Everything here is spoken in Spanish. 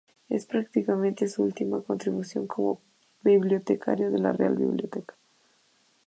Es prácticamente su última contribución como bibliotecario de la Real Biblioteca.